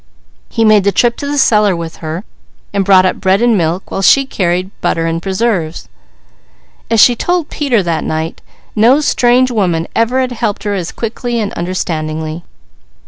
He made the trip to the cellar with her and brought up bread and milk, while she carried butter and preserves. As she told Peter that night, no strange woman ever had helped her as quickly and understandingly.